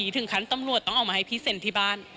ถึงขั้นตำรวจต้องเอามาให้พี่เซ็นที่บ้าน